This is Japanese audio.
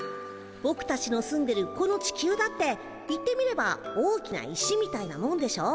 ぼくたちの住んでるこの地球だっていってみれば大きな石みたいなもんでしょ？